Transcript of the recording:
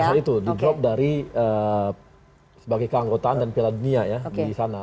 pada saat itu di drop dari sebagai keanggotaan dan pilihan dunia ya di sana